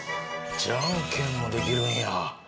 じゃんけんもできるんや。